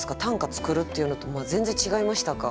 作るっていうのと全然違いましたか？